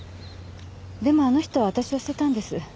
でもあの人は私を捨てたんです。